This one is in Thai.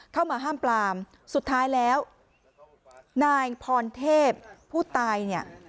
เข้ามาห้ามปลามสุดท้ายแล้วนายพรเทพผู้ตายเนี่ย